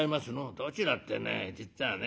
「どちらってね実はね